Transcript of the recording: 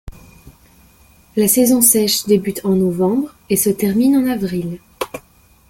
La saison sèche débute en novembre et se termine en avril.